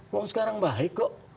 uang sekarang baik kok